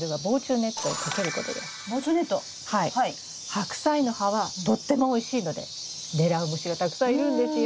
ハクサイの葉はとってもおいしいので狙う虫がたくさんいるんですよ。